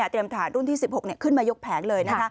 เตรียมทหารรุ่นที่๑๖ขึ้นมายกแผงเลย